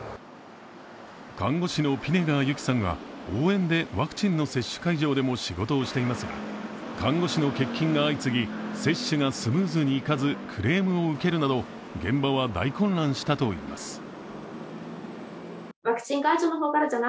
看護師のピネガー由紀さんは応援でワクチンの接種会場でも仕事をしていますが看護師の欠勤が相次ぎ、接種がスムーズにいかずクレームを受けるなど現場は大混乱したといいます。